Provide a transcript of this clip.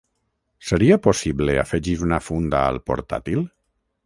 Seria possible afegir una funda al portàtil?